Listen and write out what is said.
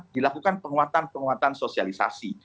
dilakukan penguatan penguatan sosialisasi